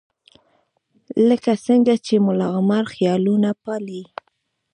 لکه څنګه چې ملاعمر خیالونه پالي.